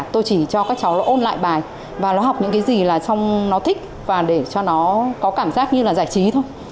tôi chỉ cho các cháu nó ôn lại bài và nó học những cái gì là trong nó thích và để cho nó có cảm giác như là giải trí thôi